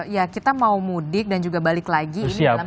ya kita mau mudik dan juga balik lagi ini dalam